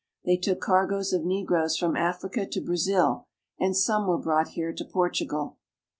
They took cargoes of negroes from Africa to Brazil, and some were brought here to Portugal.